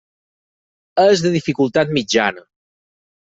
És de dificultat mitjana.